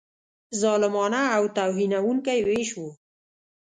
ظالمانه او توهینونکی وېش وو.